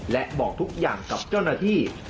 และบอกทุกอย่างกับเจ้าหน้าที่